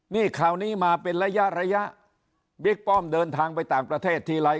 นี่คราวนี้มาเป็นระยะระยะบิ๊กป้อมเดินทางไปต่างประเทศทีไร